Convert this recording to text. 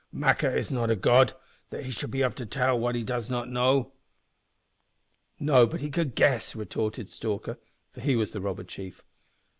"Maqua is not a god, that he should be able to tell what he does not know." "No, but he could guess," retorted Stalker for it was the robber chief.